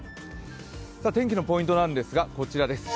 天気のポイントなんですがこちらです。